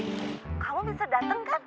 kamu bisa dateng kan